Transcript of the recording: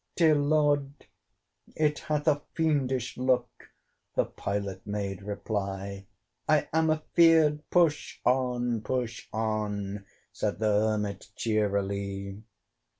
"Dear Lord! it hath a fiendish look (The Pilot made reply) I am a feared" "Push on, push on!" Said the Hermit cheerily.